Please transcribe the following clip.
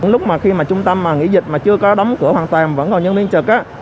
lúc mà khi mà trung tâm mà nghỉ dịch mà chưa có đóng cửa hoàn toàn vẫn còn nhân viên trực